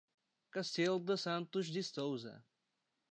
Cacilda Santos de Souza